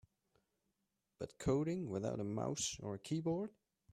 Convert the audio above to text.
But coding without a mouse or a keyboard?